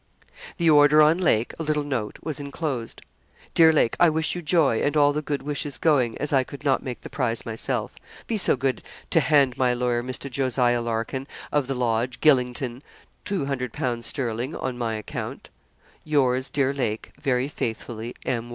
The order on Lake, a little note, was enclosed: 'Dear Lake, I wish you joy, and all the good wishes going, as I could not make the prize myself. 'Be so good to hand my lawyer, Mr. Jos. Larkin, of the Lodge, Gylingden, 200_l._ sterling, on my account. 'Yours, dear Lake, 'Very faithfully, 'M.